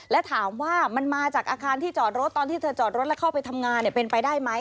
และถามว่ามันมาจากอาคารที่จอดรถตอนที่เธอจอดรถแล้วเข้าไปทำงานเป็นไปได้ไหม